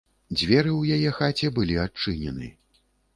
Дзверы ў яе хаце былі адчынены.